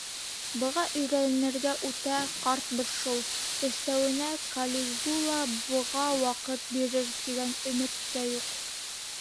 Быға өйрәнергә үтә ҡартбыҙ шул, Өҫтәүенә, Калигула быға ваҡыт бирер, тигән өмөт тә юҡ.